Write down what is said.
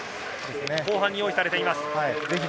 後半に用意されています。